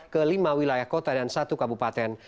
ke lima wilayah kota dan satu kabupaten